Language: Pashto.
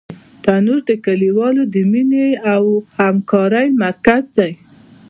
تنور د کلیوالو د مینې او همکارۍ مرکز دی